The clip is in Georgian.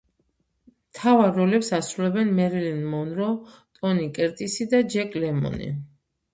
მთავარ როლებს ასრულებენ მერილინ მონრო, ტონი კერტისი და ჯეკ ლემონი.